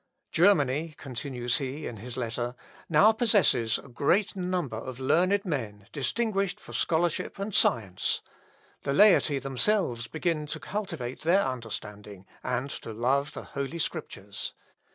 "Germany," continues he, in his letter, "now possesses a great number of learned men distinguished for scholarship and science; the laity themselves begin to cultivate their understanding, and to love the Holy Scriptures.